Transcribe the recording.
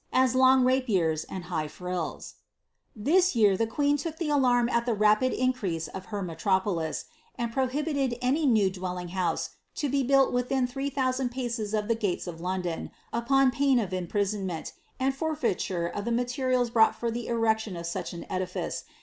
a3 long rapiers and hiali s year the qneen took the alarm ai (he rapid ii tropnlix, and prohihi'ed any new dwelling house to be built within thrN thousand paces of the gales of London, upon pain of imprisonmeai, and forfeiture of the materials brought fur the erection of such edilice.